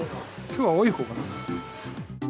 きょうは多いほうかな。